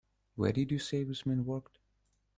Where did you say this man worked?